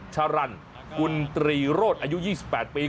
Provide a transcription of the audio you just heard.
สารันกุลตรีโรศอายุ๒๘ปี